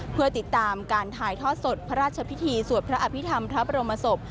เพื่อติดตามการถ่ายทอดสดพระราชพิธีสวดพระอภิษฐรรมพระบรมศพ